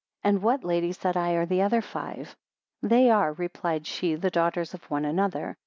And what, lady, said I, are the other five? 87 They are, replied she, the daughters of one another.